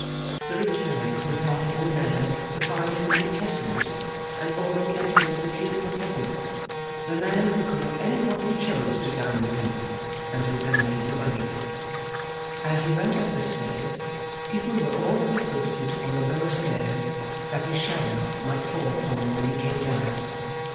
The rich man, who had in a manner revised the New Testament, and already entered into the kingdom of Heaven. The man who could have any one he chose to dine with him, and who had made the money! As he went up the stairs, people were already posted on the lower stairs, that his shadow might fall upon them when he came down.